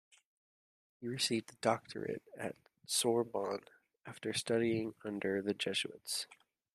He received a doctorate at the Sorbonne after studying under the Jesuits.